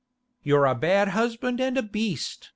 'You're a bad husband and a beast!